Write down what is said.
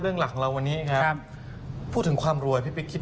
หลักของเราวันนี้ครับพูดถึงความรวยพี่ปิ๊กคิด